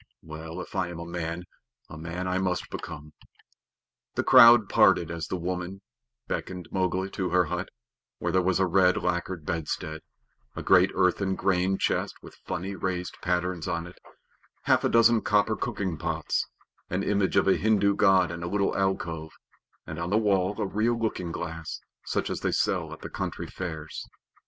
Well, if I am a man, a man I must become." The crowd parted as the woman beckoned Mowgli to her hut, where there was a red lacquered bedstead, a great earthen grain chest with funny raised patterns on it, half a dozen copper cooking pots, an image of a Hindu god in a little alcove, and on the wall a real looking glass, such as they sell at the country fairs.